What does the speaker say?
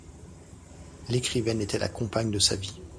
L'écrivaine était la compagne de sa vie.